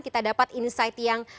kita dapat insight yang